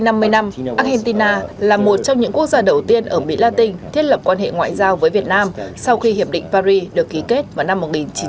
năm hai nghìn một mươi năm argentina là một trong những quốc gia đầu tiên ở mỹ latin thiết lập quan hệ ngoại giao với việt nam sau khi hiệp định paris được ký kết vào năm một nghìn chín trăm bảy mươi ba